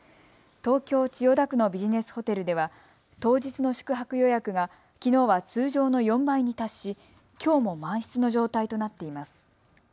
東京千代田区のビジネスホテルでは当日の宿泊予約がきのうは通常の４倍に達しきょうも満室の状態となっています。